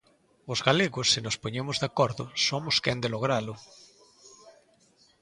Os galegos, se nos poñemos de acordo, somos quen de logralo.